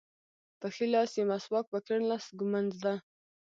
په ښي لاس یې مسواک په کیڼ لاس ږمونځ ده.